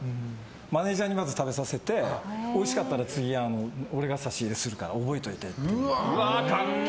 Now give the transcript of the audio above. マネジャーに食べさせておいしかったら次、俺が差し入れするから覚えておいてって言って。